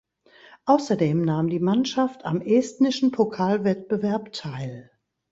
Außerdem nahm die Mannschaft am estnischen Pokalwettbewerb teil.